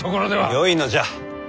よいのじゃ。